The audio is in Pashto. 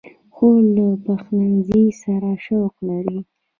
خور له پخلنځي سره شوق لري.